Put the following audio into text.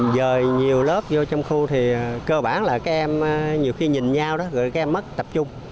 giờ nhiều lớp vô trong khu thì cơ bản là các em nhiều khi nhìn nhau đó rồi các em mất tập trung